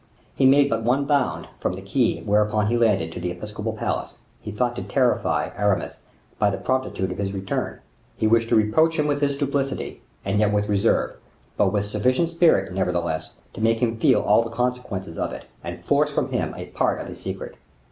He made but one bound from the quay whereon he landed to the episcopal palace. He thought to terrify Aramis by the promptitude of his return; he wished to reproach him with his duplicity, and yet with reserve; but with sufficient spirit, nevertheless, to make him feel all the consequences of it, and force from him a part of his secret.